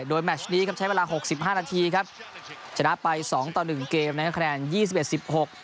โดยแมชนี้ครับใช้เวลาหกสิบห้านาทีครับชนะไปสองต่อหนึ่งเกมนะครับคะแนนยี่สิบเอ็ดสิบหก